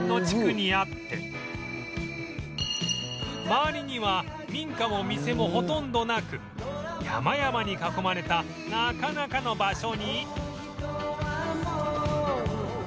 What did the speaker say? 周りには民家も店もほとんどなく山々に囲まれたなかなかの場所に